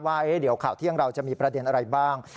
ว่าเดี๋ยวข่าวเที่ยงเราจะมีประเด็นอะไรบ้าง